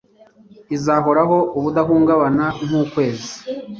izahoraho ubudahungabana nk'ukwezi